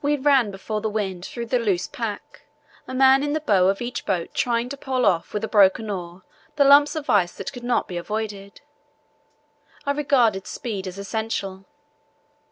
We ran before the wind through the loose pack, a man in the bow of each boat trying to pole off with a broken oar the lumps of ice that could not be avoided. I regarded speed as essential.